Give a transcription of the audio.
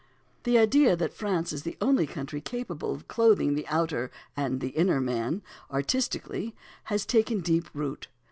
The idea that France is the only country capable of clothing the outer and the inner man, artistically, has taken deep root.